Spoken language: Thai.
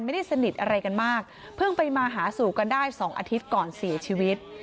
ไม่ได้สนิทอะไรกันมากเพิ่งไปมาหาสู่กันได้สองอาทิตย์ก่อนเสียชีวิต